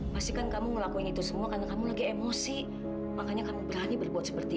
pastikan kamu ngelakuin itu semua karena kamu lagi emosi makanya kami berani berbuat seperti itu